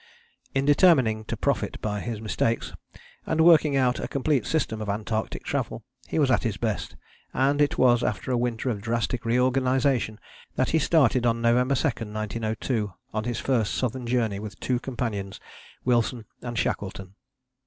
" In determining to profit by his mistakes, and working out a complete system of Antarctic travel, he was at his best; and it was after a winter of drastic reorganization that he started on November 2, 1902, on his first southern journey with two companions, Wilson and Shackleton.